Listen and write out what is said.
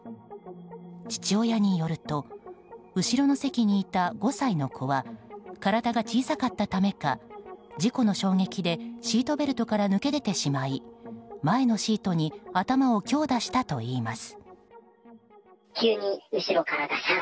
父親によると後ろの席にいた５歳の子は体が小さかったためか事故の衝撃でシートベルトから抜け出てしまい前のシートに頭を強打したといいます。